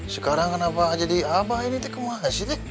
sekarang kenapa jadi abah ini kemas sih